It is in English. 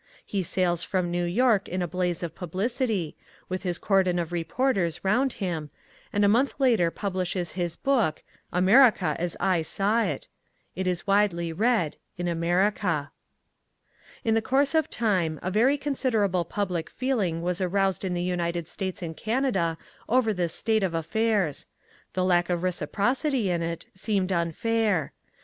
He sails from New York in a blaze of publicity, with his cordon of reporters round him, and a month later publishes his book "America as I Saw It". It is widely read in America. In the course of time a very considerable public feeling was aroused in the United States and Canada over this state of affairs. The lack of reciprocity in it seemed unfair.